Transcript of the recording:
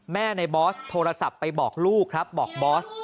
ในบอสโทรศัพท์ไปบอกลูกครับบอกบอส